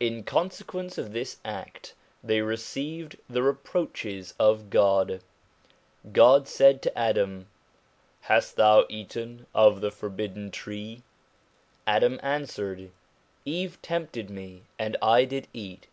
In consequence of this act they received the reproaches of God. God said to Adam, ' Hast thou eaten of the forbidden tree ?' Adam answered ' Eve tempted me, and I did eat.'